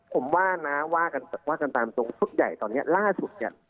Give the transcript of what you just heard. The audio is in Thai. ผมว่านะว่ากันว่ากันตามตรงชุดใหญ่ตอนนี้ล่าสุดเนี่ย